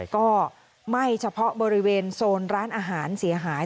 ก็ไหม้เฉพาะบริเวณโซนร้านอาหารเสียหาย